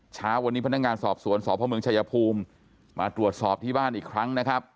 เช้าวันนี้พนักงานสอบสวนสพเมืองชายภูมิมาตรวจสอบที่บ้านอีกครั้งนะครับ